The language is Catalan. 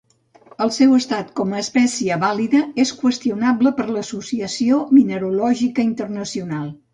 El seu estat com a espècie vàlida és qüestionable per l'Associació Mineralògica Internacional.